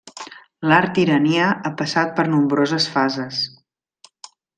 L'art iranià ha passat per nombroses fases.